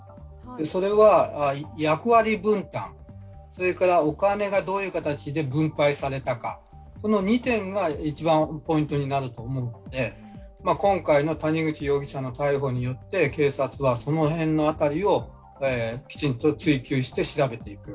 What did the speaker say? それは役割分担、それからお金がどういう形で分配されたか、この２点が一番ポイントになると思うので、今回の谷口容疑者の逮捕によって警察はその辺をきちんと追及して調べていく。